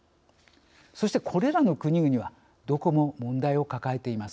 そしてこれらの国々はどこも問題を抱えています。